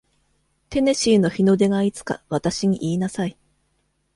テネシーの日の出がいつか私に言いなさい